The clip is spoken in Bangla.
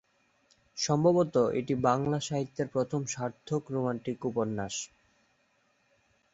সম্ভবত এটি বাংলা সাহিত্যের প্রথম সার্থক রোমান্টিক উপন্যাস।